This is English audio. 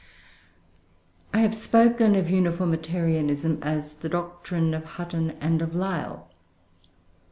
223.] I have spoken of Uniformitarianism as the doctrine of Hutton and of Lyell.